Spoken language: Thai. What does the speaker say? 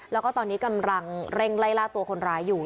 แล้วก็ตอนนี้กำลังเร่งไล่ล่าตัวคนร้ายอยู่